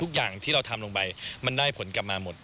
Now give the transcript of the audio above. ทุกอย่างที่เราทำลงไปมันได้ผลกลับมาหมด